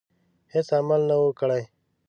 هیڅ عمل نه وو کړی.